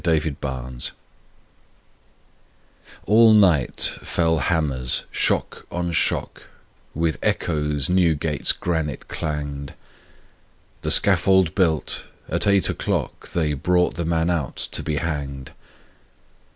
5 Autoplay All night fell hammers, shock on shock; With echoes Newgate's granite clang'd: The scaffold built, at eight o'clock They brought the man out to be hang'd.